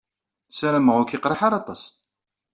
Ssarameɣ ur k-yeqriḥ ara aṭas.